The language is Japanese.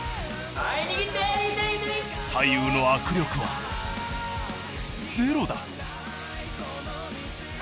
左右の握力はゼロだ。